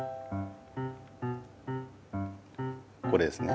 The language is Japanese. これですね。